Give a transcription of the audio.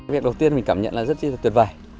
việc đầu tiên mình cảm nhận là rất là tuyệt vời